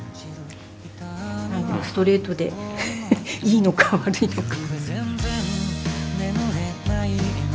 ストレートでいいのか悪いのか。